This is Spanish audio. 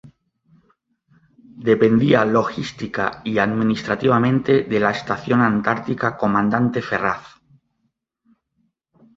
Dependía logística y administrativamente de la Estación Antártica Comandante Ferraz.